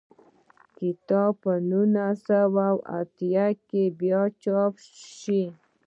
کتاب په نولس سوه اتیا کال کې بیا چاپ شو.